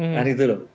nah itu lho